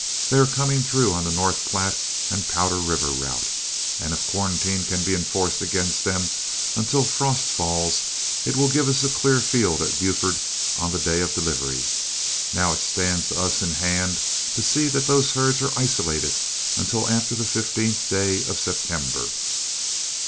They are coming through on the North Platte and Powder River route, and if quarantine can be enforced against them until frost falls, it will give us a clear field at Buford on the day of delivery. Now it stands us in hand to see that those herds are isolated until after the 15th day of September."